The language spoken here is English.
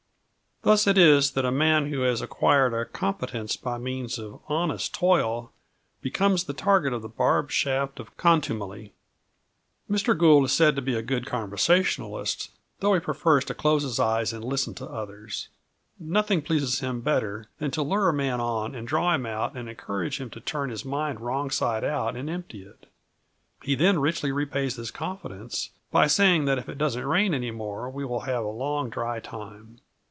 Thus it is that a man who has acquired a competence by means of honest toil becomes the target for the barbed shaft of contumely. Mr. Gould is said to be a good conversationalist, though he prefers to close his eyes and listen to others. Nothing pleases him better than to lure a man on and draw him out and encourage him to turn his mind wrong side out and empty it. He then richly repays this confidence by saying that if it doesn't rain any more we will have a long dry time.